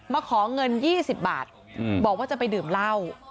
มาของเงินยี่สิบบาทอืมบอกว่าจะไปดื่มเล่า